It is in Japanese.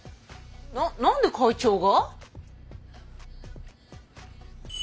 な何で会長が？